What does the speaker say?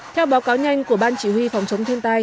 theo báo cáo nhanh của ban chỉ huy phòng chống thiên tai